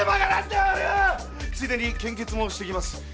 ついでに献血もしてきます。